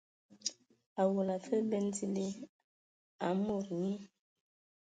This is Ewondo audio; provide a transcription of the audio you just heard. Awɔla afe bɛn dili a mod nyi.